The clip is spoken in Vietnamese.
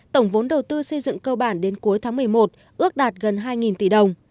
tổng vốn đầu tư xây dựng cơ bản đến cuối tháng một mươi một ước đạt gần hai tỷ đồng